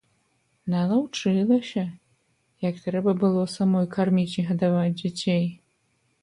Налаўчылася, як трэба было самой карміць і гадаваць дзяцей.